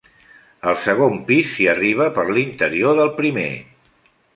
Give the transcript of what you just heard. Al segon pis s'hi arriba per l'interior del primer.